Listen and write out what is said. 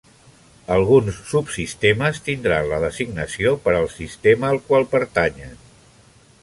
Alguns subsistemes tindran la designació per al sistema al qual pertanyen.